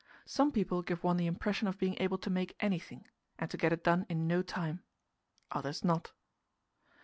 Some people give one the impression of being able to make anything, and to get it done in no time others not.